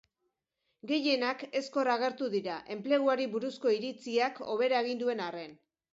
Gehienak ezkor agertu dira, enpleguari buruzko iritziak hobera egin duen arren.